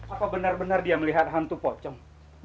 apa benar benar dia melihat hantu pocong